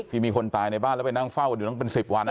มีคนตายในบ้านแล้วไปนั่งเฝ้ากันอยู่ตั้งเป็น๑๐วัน